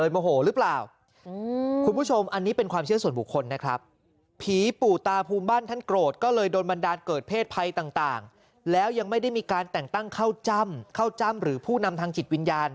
แล้วยังไม่ได้มีการแต่งตั้งเข้าจ้ำเข้าจ้ำหรือผู้นำทางจิตวิญญาณ